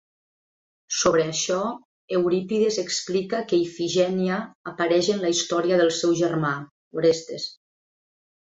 Sobre això, Eurípides explica que Ifigènia apareix en la història del seu germà, Orestes.